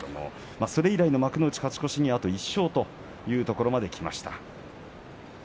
それ以来の幕内、勝ち越しまであと１勝というところまできました。